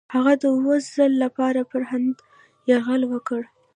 هغه د اووم ځل لپاره پر هند یرغل وکړ.